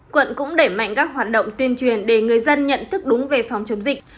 quận cũng đẩy mạnh các hoạt động tuyên truyền để người dân nhận thức đúng về phòng chống dịch